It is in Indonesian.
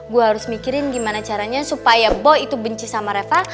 gue harus mikirin gimana caranya supaya boy itu benci sama reva